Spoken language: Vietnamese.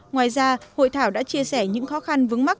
ngoài ra hội thảo đã chia sẻ những khó khăn vướng mắt